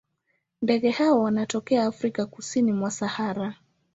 Ndege hawa wanatokea Afrika kusini mwa Sahara.